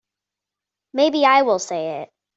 Maybe I will say it.